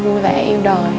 vui vẻ yêu đời